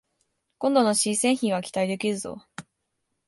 今度の新製品は期待できるぞ